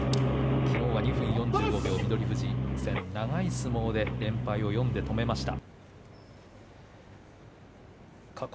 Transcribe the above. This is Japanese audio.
昨日は２分４５秒昨日は長い相撲で連敗を４で止めました。